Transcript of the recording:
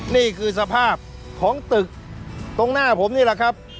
นี่คือสภาพของตึกตรงหน้าผมนี่แหละครับ